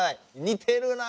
似てるな！